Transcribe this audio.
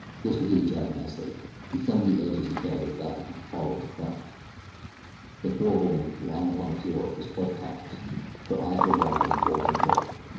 This would do the job nicely. He thumbed the edge as he carried it back into the parlor to Crumb. The poor woman, lying upon the floor, was quite conscious. Her eyes were wide and rolling in horror.